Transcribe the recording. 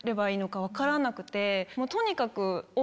とにかく。